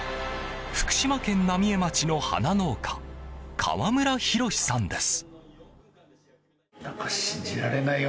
福島県浪江町の花農家川村博さんです。